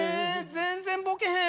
全然ボケへん。